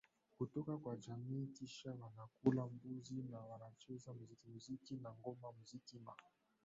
kutoka kwa jamii Kisha wanakula mbuzi na wanacheza muzikiMuziki na ngoma Muziki wa